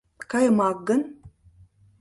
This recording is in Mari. Каемак гын?